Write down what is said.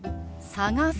「探す」。